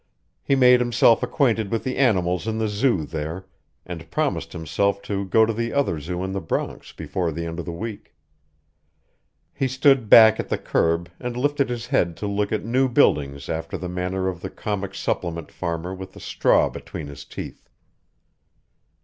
He made himself acquainted with the animals in the zoo there, and promised himself to go to the other zoo in the Bronx before the end of the week. He stood back at the curb and lifted his head to look at new buildings after the manner of the comic supplement farmer with a straw between his teeth.